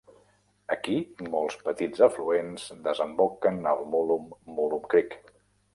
Aquí molts petits afluents desemboquen al Mullum Mullum Creek.